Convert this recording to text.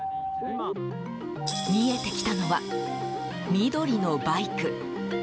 見えてきたのは緑のバイク。